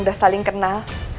udah saling kenal